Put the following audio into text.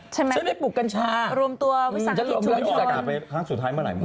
ใช่ไหมรวมตัววิสังคมที่สุดมีออกการไปครั้งสุดท้ายเมื่อไหนมั้ย